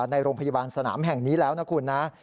ในโรงพยาบาลสนามแห่งนี้แล้วนะคุณนะ